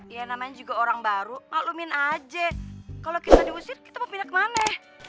ya namanya juga orang baru maklumin aja kalau kita diusir kita mau pindah kemana